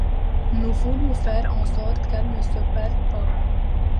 Nous voulons faire en sorte qu’elles ne se perdent pas.